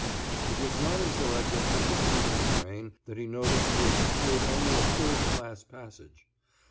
It was not until Edgar took his seat in the train that he noticed he had secured only a third class passage.